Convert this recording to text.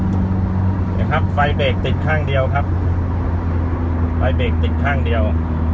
เดี๋ยวครับไฟเบรกติดข้างเดียวครับไฟเบรกติดข้างเดียว